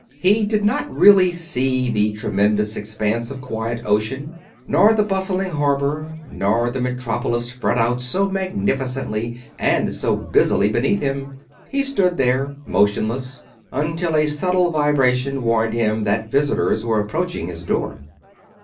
He did not really see the tremendous expanse of quiet ocean, nor the bustling harbor, nor the metropolis spread out so magnificently and so busily beneath him. He stood there, motionless, until a subtle vibration warned him that visitors were approaching his door.